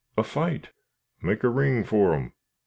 a fight!" "Make a ring for 'em."